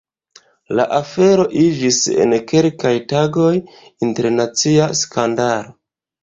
La afero iĝis en kelkaj tagoj internacia skandalo.